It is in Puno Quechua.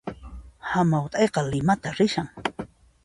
Hamaut'ayqa Limata rishan